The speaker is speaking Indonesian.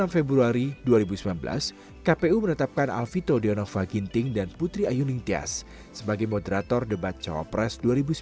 enam februari dua ribu sembilan belas kpu menetapkan alvito deonova ginting dan putri ayu ningtyas sebagai moderator debat cawapres dua ribu sembilan belas